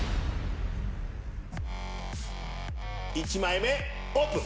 １枚目オープン。